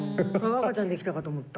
赤ちゃんできたかと思った？